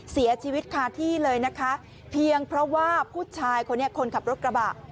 เสียชีวิตคาที่เลยนะคะเพียงเพราะว่าผู้ชายคนนี้คนขับรถกระบะ